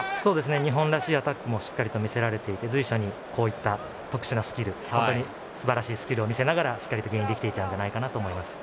日本らしいアタックもしっかり見せられていて随所に特殊なスキルすばらしいスキルを見せながらしっかりゲインできていたんじゃないかなと思います。